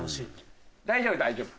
大丈夫大丈夫。